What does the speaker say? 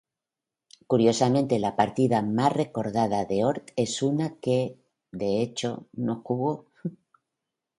Curiosamente la partida más recordada de Hort es una que, de hecho, no jugó.